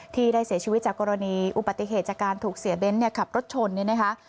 ที่ได้เสียชีวิตจากกรณีอุบัติเหตุจากการถูกเสียเบ้นขับรถชนเนี่ยนะคะ